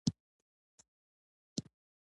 ځواک موټور حرکت کوي.